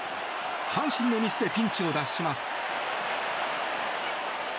阪神のミスでピンチを脱します。